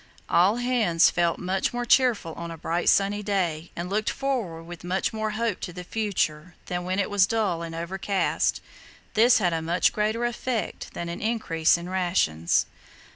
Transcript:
All hands felt much more cheerful on a bright sunny day, and looked forward with much more hope to the future, than when it was dull and overcast. This had a much greater effect than an increase in rations.